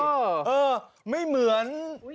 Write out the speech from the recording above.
เออไม่เหมือน